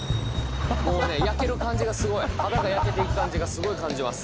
もうね焼ける感じがすごい肌が焼けていく感じがすごい感じます